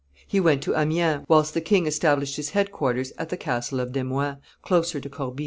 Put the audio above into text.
He went to Amiens, whilst the king established his headquarters at the castle of Demuin, closer to Corbie.